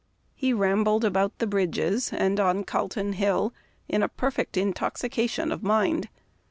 He rambled about the bridges and on Calton Hill in " a perfect intoxication of mind."